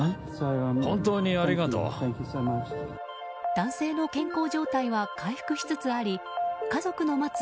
男性の健康状態は回復しつつあり家族の待つ